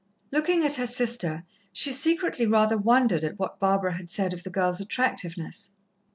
Looking at her sister, she secretly rather wondered at what Barbara had said of the girl's attractiveness.